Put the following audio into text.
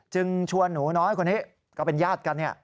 ชวนหนูน้อยคนนี้ก็เป็นญาติกัน